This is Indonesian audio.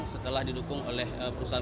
setelah didukung oleh perusahaan